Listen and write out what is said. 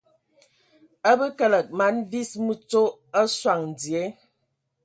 A bə kəlǝg mana vis mǝtsɔ a sɔŋ dzie.